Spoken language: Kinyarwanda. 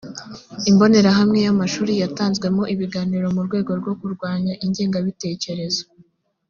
imbonerahamwe ya amashuri yatanzwemo ibiganiro mu rwego rwo kurwanya ingengabitekerezo